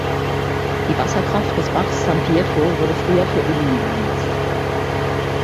Die Wasserkraft des Bachs San Pietro wurde früher für Ölmühlen genutzt.